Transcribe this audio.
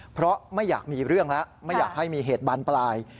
เพราะไม่อยากมีเรื่องแล้วไม่อยากให้มีเหตุบานปลาย